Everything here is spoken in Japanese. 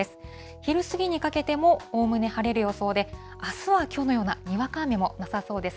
昼過ぎにかけてもおおむね晴れる予想で、あすはきょうのようなにわか雨もなさそうです。